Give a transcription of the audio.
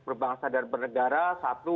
berbangsa dan bernegara satu